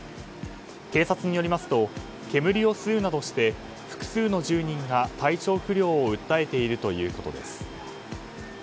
警察によりますと煙を吸うなどして複数の住人が体調不良を訴えているということです。